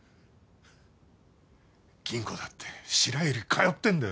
吟子だって白百合通ってんだ。